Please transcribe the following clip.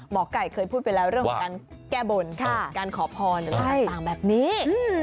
หมอกไก่เคยพูดไปแล้วเรื่องการแก้บนการขอพรต่างแบบนี้